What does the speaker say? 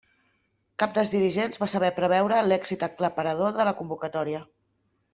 Cap dels dirigents va saber preveure l'èxit aclaparador de la convocatòria.